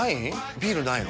ビールないの？